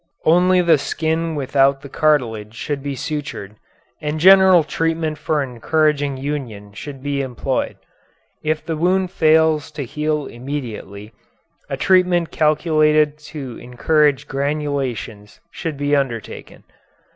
Only the skin without the cartilage should be sutured, and general treatment for encouraging union should be employed. If the wound fails to heal immediately, a treatment calculated to encourage granulations should be undertaken.